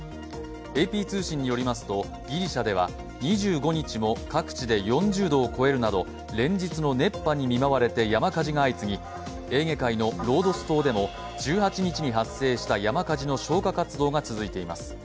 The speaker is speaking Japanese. ＡＰ通信によりますとギリシャでは各地で４０度を超えるなど連日の熱波に見舞われて山火事が相次ぎ、エーゲ海のロードス島でも１８日に発生した山火事の消火活動が続いています。